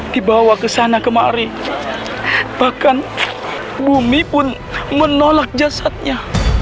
dibawa ke sana kemari bahkan bumi pun menolak jasadnya